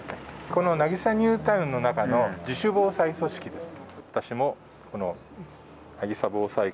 このなぎさニュータウンの中の自主防災組織です。